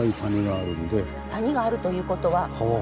谷があるという事は？